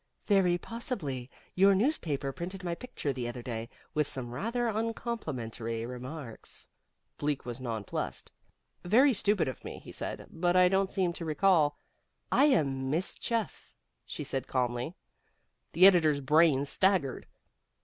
"Very possibly. Your newspaper printed my picture the other day, with some rather uncomplimentary remarks." Bleak was nonplussed. "Very stupid of me," he said, "but I don't seem to recall " "I am Miss Chuff," she said calmly. The editor's brain staggered.